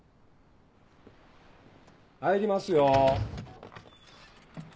入りますよ。